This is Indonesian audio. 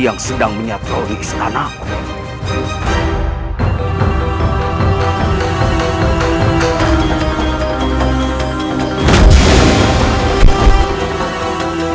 yang sedang menyatau di istanaku